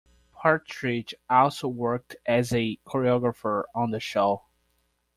Partridge also worked as a choreographer on the show.